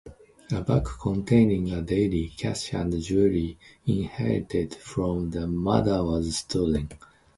A bag containing a diary, cash and jewellery inherited from her mother was stolen.